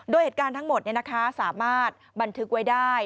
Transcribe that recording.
โดยเหตุการณ์ทั้งหมดสามารถบันทึกไว้ได้